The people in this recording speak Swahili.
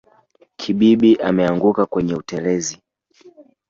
Kibibi ameanguka kwenye utelezi